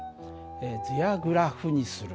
図やグラフにする。